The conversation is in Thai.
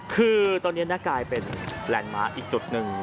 คือตอนนี้นะกลายเป็นแหล่งหมาอีกจุดหนึ่ง